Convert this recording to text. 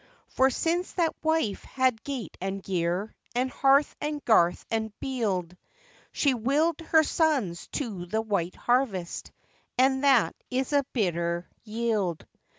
For since that wife had gate and gear, And hearth and garth and bield, She willed her sons to the white harvest, And that is a bitter yield.